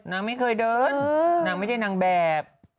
นางไม่เคยเดินนางไม่ใช่นางแบบ